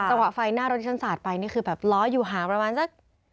ไฟหน้ารถที่ฉันสาดไปนี่คือแบบล้ออยู่ห่างประมาณสัก